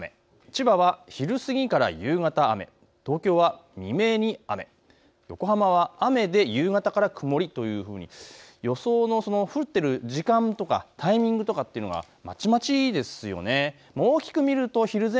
千葉は昼過ぎから夕方雨、東京は未明に雨、横浜は雨で夕方から曇りという予想の降っている時間とかタイミングとかというのはまちまちですよね。